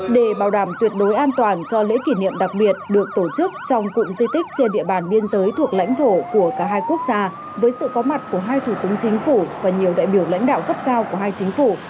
để bảo đảm tuyệt đối an toàn cho lễ kỷ niệm đặc biệt được tổ chức trong cụm di tích trên địa bàn biên giới thuộc lãnh thổ của cả hai quốc gia với sự có mặt của hai thủ tướng chính phủ và nhiều đại biểu lãnh đạo cấp cao của hai chính phủ